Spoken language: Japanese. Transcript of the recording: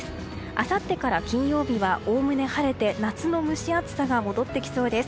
あさってから金曜日はおおむね晴れて夏の蒸し暑さが戻ってきそうです。